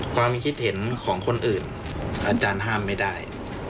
ความคิดเห็นของคนอื่นอาจารย์ห้ามไม่ได้